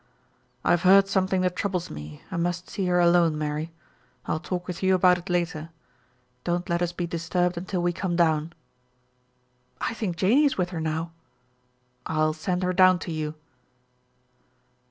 "I've heard something that troubles me, and must see her alone, Mary. I'll talk with you about it later. Don't let us be disturbed until we come down." "I think Janey is with her now." "I'll send her down to you."